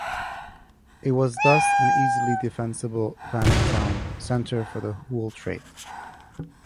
It was thus an easily defensible planned-town centre for the wool trade.